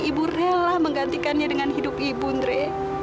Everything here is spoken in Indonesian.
ibu rela menggantikannya dengan hidup ibu andre